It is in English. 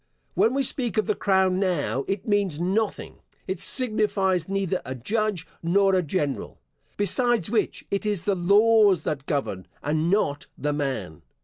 When we speak of the crown now, it means nothing; it signifies neither a judge nor a general: besides which it is the laws that govern, and not the man.